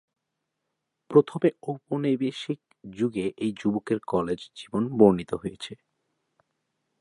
প্রথমে ঔপনিবেশিক যুগে এই যুবকের কলেজ জীবন বর্ণিত হয়েছে।